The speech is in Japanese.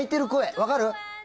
分かる。